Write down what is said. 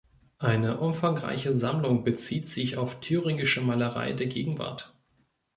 Eine umfangreiche Sammlung bezieht sich auf thüringische Malerei der Gegenwart.